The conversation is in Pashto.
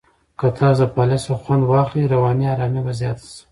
که تاسو د فعالیت څخه خوند واخلئ، رواني آرامۍ به زیاته شي.